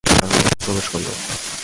ঘরের মধ্যে সে প্রবেশ করিল।